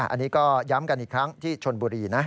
อันนี้ก็ย้ำกันอีกครั้งที่ชนบุรีนะ